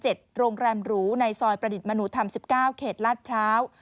โรงแรมหรูในซอยประดิษฐ์มนุธรรม๑๙เขตลาดพร้าว